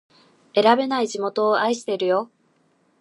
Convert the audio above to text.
選べない地元を愛してるよ